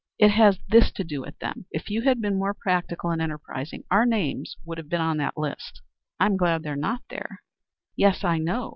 "It has this to do with them if you had been more practical and enterprising, our names would have been on that list." "I am glad they are not there." "Yes, I know.